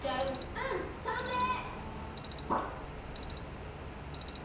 うんさんせい！